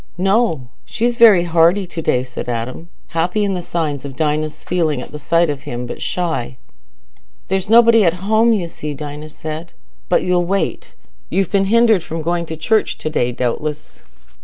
"No, she's very hearty to day," said Adam, happy in the signs of Dinah's feeling at the sight of him, but shy. "There's nobody at home, you see," Dinah said; "but you'll wait. You've been hindered from going to church to day, doubtless."